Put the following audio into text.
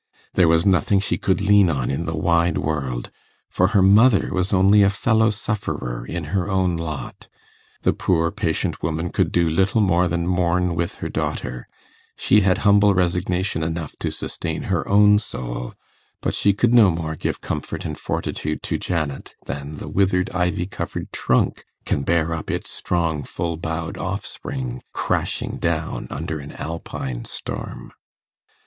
There was nothing she could lean on in the wide world, for her mother was only a fellow sufferer in her own lot. The poor patient woman could do little more than mourn with her daughter: she had humble resignation enough to sustain her own soul, but she could no more give comfort and fortitude to Janet, than the withered ivy covered trunk can bear up its strong, full boughed offspring crashing down under an Alpine storm.